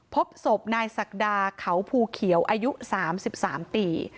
พบศพนายศักดาเขาภูเขียวอายุ๓๓ปี